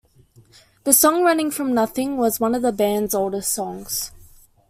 The song "Running From Nothing" was one of the band's oldest songs.